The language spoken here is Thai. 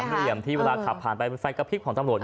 เหลี่ยมที่เวลาขับผ่านไปเป็นไฟกระพริบของตำรวจ